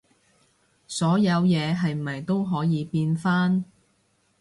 所有嘢係咪都可以變返